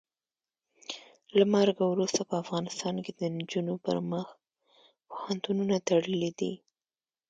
له مرګه وروسته په افغانستان کې د نجونو پر مخ پوهنتونونه تړلي دي.